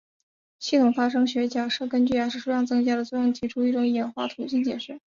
系统发生学假设根据牙齿数量增加的作用提出一种演化途径解释。